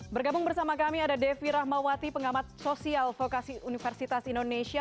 bergabung bersama kami ada devi rahmawati pengamat sosial vokasi universitas indonesia